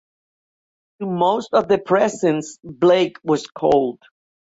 To most of the presents Blake was cold.